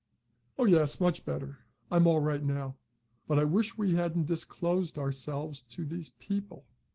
"Oh, yes, much better. I'm all right now. But I wish we hadn't disclosed ourselves to these people.